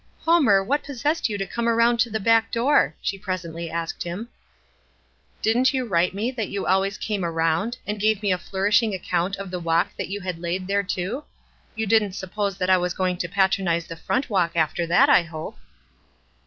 " Homer, what possessed you to come around to the back door?" she presently asked him. "Didn't you write me that you always came around, and give me a flourishing account of the walk that you had laid thereto? You didn't suppose that I was going to patronize the front walk after that, I hope?"